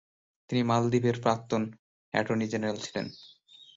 তিনি মালদ্বীপের প্রাক্তন অ্যাটর্নি জেনারেল ছিলেন।